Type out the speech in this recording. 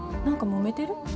何かもめてる？